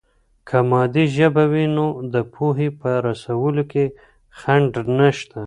که مادي ژبه وي، نو د پوهې په رسولو کې خنډ نشته.